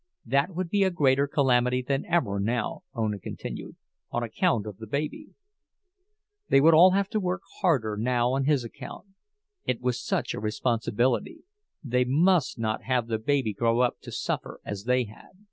That would be a greater calamity than ever now, Ona continued, on account of the baby. They would all have to work harder now on his account. It was such a responsibility—they must not have the baby grow up to suffer as they had.